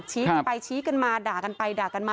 กันไปชี้กันมาด่ากันไปด่ากันมา